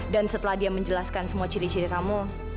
dan setelah dia menjelaskan semua ciri ciri kamu